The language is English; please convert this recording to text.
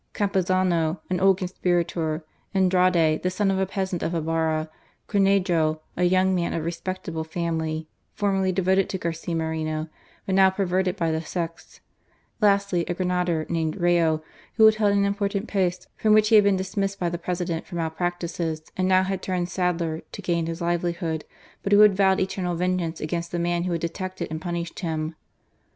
Campuzano, an old conspirator; Andrade, the son of a peasant of Ibarra ; Cornejo, a young man of respectable family, formerly devoted to Garcia Moreno, but now perverted by the sects; lastly, a grenadier named Rayo, who had held an important post from which he had been dismissed by the President for mal practices, and now had turned sadler, to gain his livelihood, but who had vowed eternal vengeance against the man who had detected and punished him. . £94 GARCIA MOREKO.